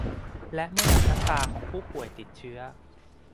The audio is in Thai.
และเมื่อนำน้ำตาของผู้ป่วยติดเชื้อ